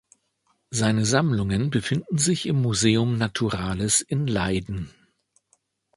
Seine Sammlungen befinden sich im Museum Naturalis in Leiden.